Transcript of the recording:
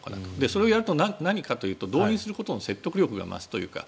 それをやると何かというと動員することの説得力が増すというか。